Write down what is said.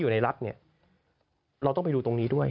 รัฐเนี่ยเราต้องไปดูตรงนี้ด้วย